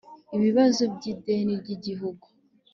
ibibazo by'ideni ry'igihugu